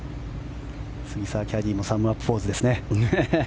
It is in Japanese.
杉澤キャディーもサムアップポーズですね。